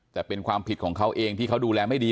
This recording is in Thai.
แต่เป็นความผิดของเขาเองที่เขาดูแลไม่ดี